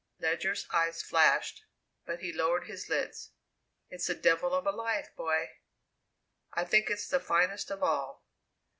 Ledyard's eyes flashed, but he lowered his lids. "It's a devil of a life, boy." "I think it's the finest of all."